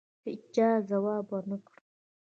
هېچا یې ځواب ونه کړ.